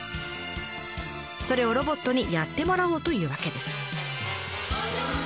それをロボットにやってもらおうというわけです。